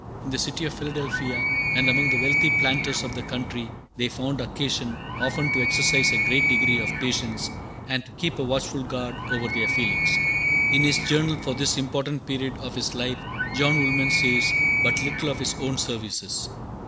In the city of Philadelphia, and among the wealthy planters of the country, they found occasion often to exercise a great degree of patience, and to keep a watchful guard over their feelings. In his Journal for this important period of his life John Woolman says but little of his own services.